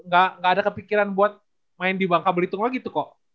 gak ada kepikiran buat main di bangka belitung lagi tuh koko